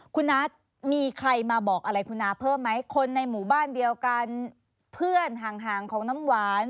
คุณนัทมีใครมาบอกอะไรคุณน้าเพิ่มไหมคนในหมู่บ้านเดียวกันเพื่อนห่างของน้ำหวาน